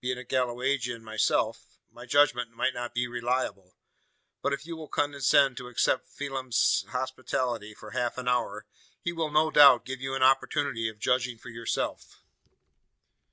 "Being a Galwegian myself, my judgment might not be reliable; but if you will condescend to accept Phelim's hospitality for half an hour, he will, no doubt, give you an opportunity of judging for yourself."